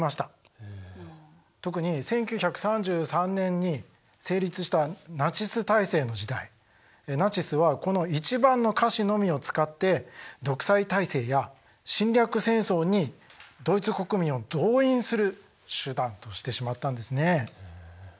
特に１９３３年に成立したナチス体制の時代ナチスはこの１番の歌詞のみを使って独裁体制や侵略戦争にドイツ国民を動員する手段としてしまったんですね。